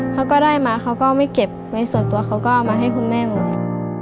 เขาก็ได้มาเขาก็ไม่เก็บไว้ส่วนตัวเขาก็เอามาให้คุณแม่หมด